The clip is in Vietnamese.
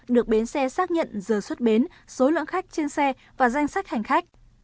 được bến xe xác nhận giờ xuất bến số lượng khách trên xe và danh sách hành khách